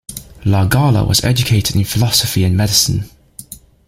Lagalla was educated in philosophy and medicine.